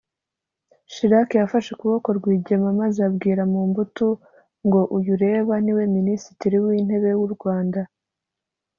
Chirac yafashe ukuboko Rwigema maze abwira Mobutu ngo “uyu ureba niwe Minisitiri w’intebe w’u Rwanda